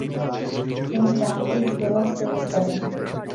তিনি যান্ত্রিক দোলক তৈরি করেন।